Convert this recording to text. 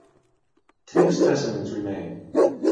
Two specimens remain.